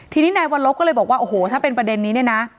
ทีนี้นายวรบก็เลยบอกว่าโอ้โหถ้าเป็นประเด็นนี้เนี่ยนะ